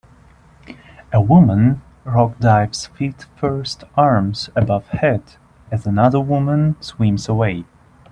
A woman rock dives feet first arms above head as another woman swims away.